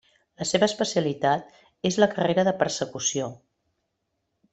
La seva especialitat és la carrera de persecució.